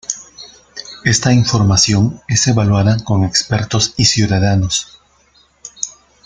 Esta información es evaluada con expertos y ciudadanos.